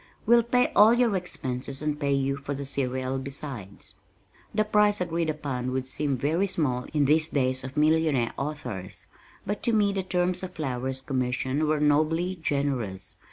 We'll pay all your expenses and pay you for the serial besides." The price agreed upon would seem very small in these days of millionaire authors, but to me the terms of Flower's commission were nobly generous.